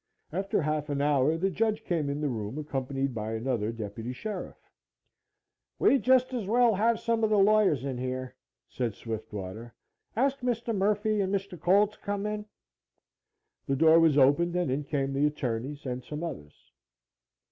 After half an hour the judge came in the room, accompanied by another deputy sheriff. "We'd just as well have some of the lawyers in here," said Swiftwater. "Ask Mr. Murphy and Mr. Cole to come in." The door was opened and in came the attorneys and some others.